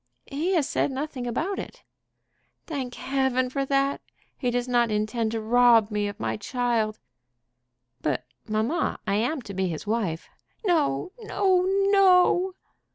"He has said nothing about it." "Thank Heaven for that! He does not intend to rob me of my child." "But, mamma, I am to be his wife." "No, no, no!"